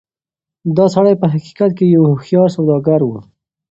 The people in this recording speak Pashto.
دا سړی په حقيقت کې يو هوښيار سوداګر و.